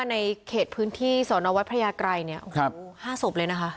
ในเขตพื้นที่ศนวพระยาครายเนี้ยโอ้โหห้าศพเลยน่ะฮะ